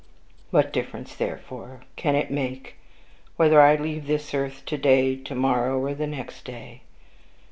What difference, therefore, can it make whether I leave this earth to day, to morrow, or the next day?